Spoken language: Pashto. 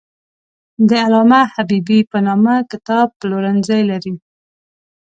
د علامه حبیبي په نامه کتاب پلورنځی لري.